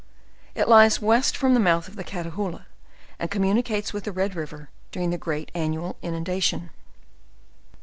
It lies west from the mouth of the Catahoola, and communicates with the Red river during the great annual inundation.